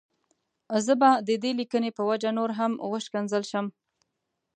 زه به د دې ليکنې په وجه نور هم وشکنځل شم.